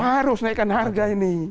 harus naikkan harga ini